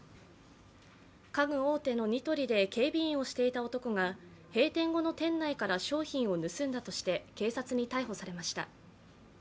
家具大手のニトリで警備員をしていた男が閉店後の店内から商品を盗んだとして警察に逮捕されました。